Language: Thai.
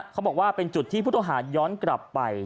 เขาบอกว่าเป็นจุดที่ผู้ต้องหาย้อนกลับไป